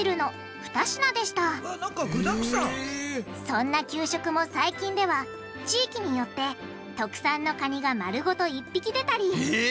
そんな給食も最近では地域によって特産のカニが丸ごと１匹出たりえ！